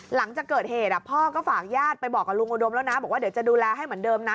หลังจากเกิดเหตุพ่อก็ฝากญาติไปบอกกับลุงอุดมแล้วนะบอกว่าเดี๋ยวจะดูแลให้เหมือนเดิมนะ